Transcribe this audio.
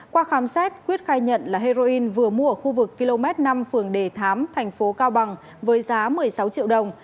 qua khám xét quyết khai nhận là heroin vừa mua ở khu vực km năm phường đề thám thành phố cao bằng với giá một mươi sáu triệu đồng